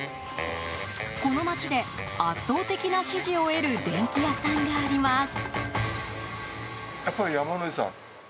この町で圧倒的な支持を得る電器屋さんがあります。